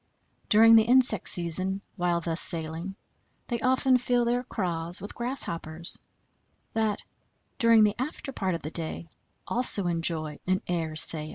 During the insect season, while thus sailing, they often fill their craws with grass hoppers, that, during the after part of the day, also enjoy an air sail.